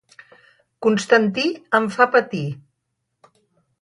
Constantí em fa patir.